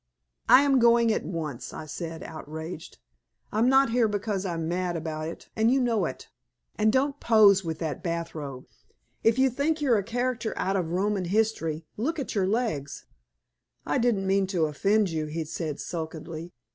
"I am going at once," I said, outraged. "I'm not here because I'm mad about it, and you know it. And don't pose with that bath robe. If you think you're a character out of Roman history, look at your legs." "I didn't mean to offend you," he said sulkily.